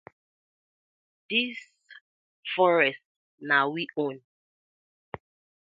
Dis forest na we own.